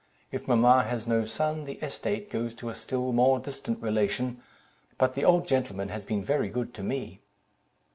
If mamma has no son, the estate goes to a still more distant relation; but the old gentleman has been very good to me."